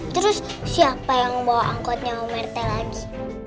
terus siapa yang bawa angkotnya om mertel lagi